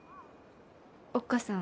おっ母さん。